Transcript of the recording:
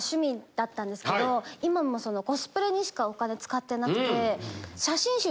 今もコスプレにしかお金使ってなくて。